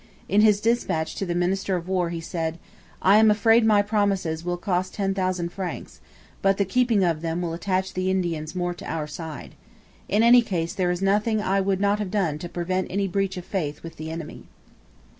In his dispatch to the minister of War he said: 'I am afraid my promises will cost ten thousand francs; but the keeping of them will attach the Indians more to our side. In any case, there is nothing I would not have done to prevent any breach of faith with the enemy.'